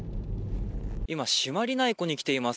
今、朱鞠内湖に来ています。